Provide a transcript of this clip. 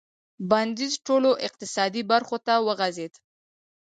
بندیز ټولو اقتصادي برخو ته وغځېد.